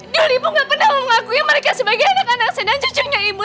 dulu ibu gak pernah mau mengakui mereka sebagai anak anak saya dan cucunya ibu